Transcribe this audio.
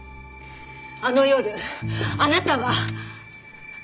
あの夜あなたは。